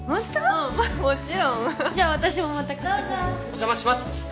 うんもちろんじゃあ私もまた買ってくるどうぞお邪魔します